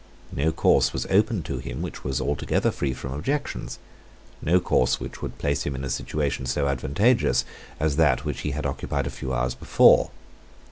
No course was open to him which was altogether free from objections, no course which would place him in a situation so advantageous as that which he had occupied a few hours before.